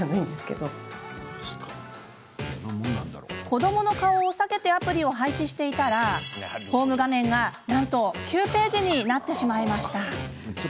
子どもの顔を避けてアプリを配置していたらホーム画面が、なんと９ページになってしまいました。